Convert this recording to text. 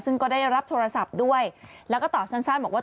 ซึ่งก็ได้รับโทรศัพท์ด้วยแล้วก็ตอบสั้นบอกว่า